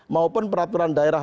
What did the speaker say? maupun peraturan daerah